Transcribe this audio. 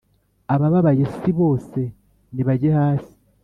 abababaye si bose nibajye hasi